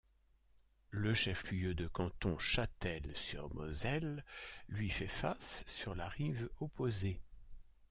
Le chef-lieu de canton Châtel-sur-Moselle lui fait face sur la rive opposée.